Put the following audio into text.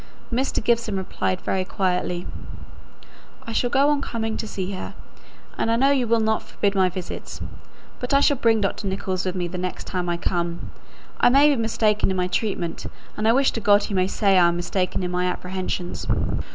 Mr. Gibson replied very quietly, "I shall go on coming to see her, and I know you'll not forbid my visits. But I shall bring Dr. Nicholls with me the next time I come. I may be mistaken in my treatment; and I wish to God he may say I am mistaken in my apprehensions."